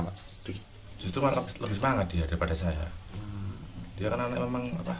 justru lebih semangat dia daripada saya